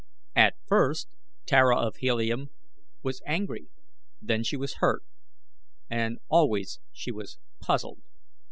At first Tara of Helium was angry, then she was hurt, and always she was puzzled.